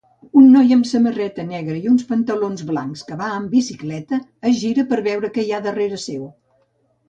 Un noi amb una samarreta negra i uns pantalons blancs que va en bicicleta es gira per veure què hi ha darrera seu